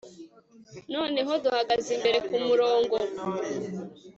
noneho duhagaze imbere kumurongo